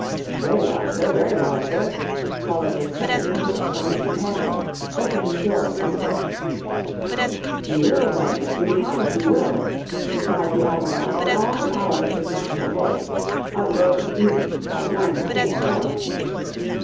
'Very well, sir, very well, sir,' followed with some impatience from his companion, opening the door as he spoke 'You will then, you promise you will?' replied the Admiral in all the power of his natural voice, unbroken even by one thin door.